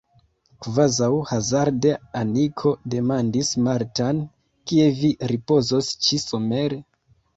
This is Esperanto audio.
Kvazaŭ hazarde Aniko demandis Martan: Kie vi ripozos ĉi-somere?